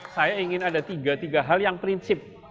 saya ingin ada tiga tiga hal yang prinsip